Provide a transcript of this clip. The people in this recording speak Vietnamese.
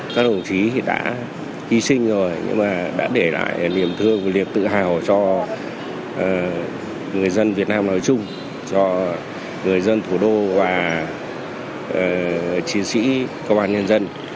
các đồng chí đã hy sinh rồi nhưng mà đã để lại niềm thương niềm tự hào cho người dân việt nam nói chung cho người dân thủ đô và chiến sĩ công an nhân dân